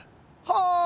はあ！